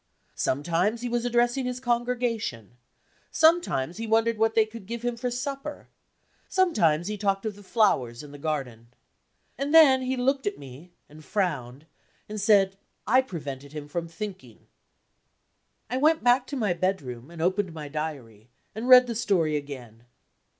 Sometimes, he was addressing his congregation; sometimes, he wondered what they would give him for supper; sometimes, he talked of the flowers in the garden. And then he looked at me, and frowned, and said I prevented him from thinking. I went back to my bedroom, and opened my Diary, and read the story again.